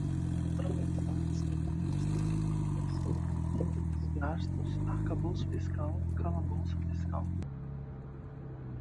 Contrarreformas trabalhista e previdenciária, teto dos gastos, arcabouço fiscal, calabouço fiscal